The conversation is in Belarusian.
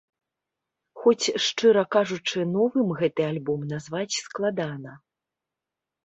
Хоць, шчыра кажучы, новым гэты альбом назваць складана.